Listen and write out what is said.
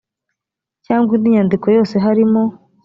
cyangwa indi nyandiko yose harimo